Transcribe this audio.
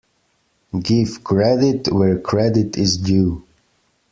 Give credit where credit is due.